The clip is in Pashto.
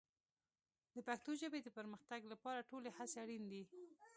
د پښتو ژبې د پرمختګ لپاره ټولې هڅې اړین دي.